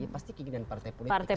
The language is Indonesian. pasti keinginan partai politik